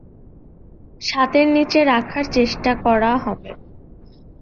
সাতের নিচে রাখার চেষ্টা করা হবে।